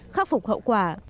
khắc phục hậu quả